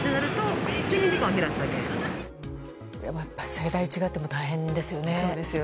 世代が違っても大変ですよね。